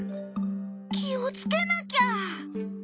気をつけなきゃ。